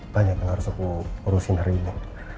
banyak yang harus aku urusin hari ini